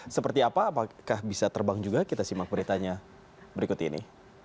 seperti apa apakah bisa terbang juga kita simak beritanya berikut ini